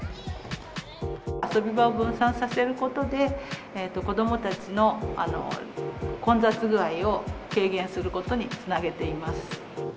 遊び場を分散させることで、子どもたちの混雑具合を軽減することにつなげています。